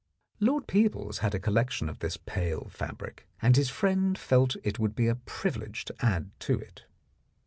Lord Peebles had a collection of this pale fabric, and his friend felt it would be a privilege to add to it.